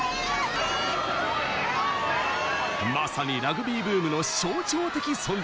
まさにラグビーブームの象徴的存在。